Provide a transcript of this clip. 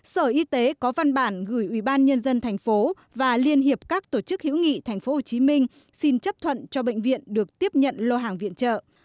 sở y tế có văn bản gửi ubnd tp và liên hiệp các tổ chức hữu nghị tp hcm xin chấp thuận cho bệnh viện được tiếp nhận lô hàng viện trợ